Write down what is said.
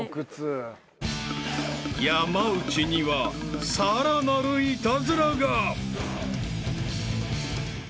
［山内にはさらなるイタズラが］